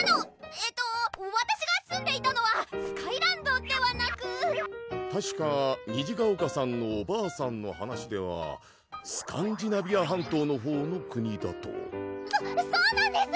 えっとわたしが住んでいたのはスカイランドではなくたしか虹ヶ丘さんのおばあさんの話ではスカンディナビア半島のほうの国だとそそうなんです！